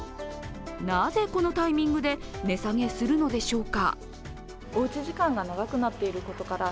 なぜこのタイミングで値下げするのでしょうか。